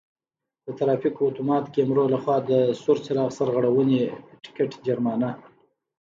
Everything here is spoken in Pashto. د ترافیکو آتومات کیمرو له خوا د سور څراغ سرغړونې ټکټ جرمانه: